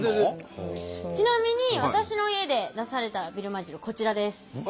ちなみに私の家で出されたビルマ汁こちらです。